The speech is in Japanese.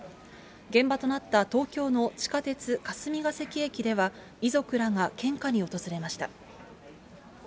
現場となった東京の地下鉄霞ケ関駅では、遺族らが献花に訪れました。